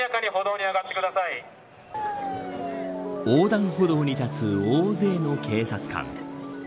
横断歩道に立つ大勢の警察官。